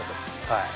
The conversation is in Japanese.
はい。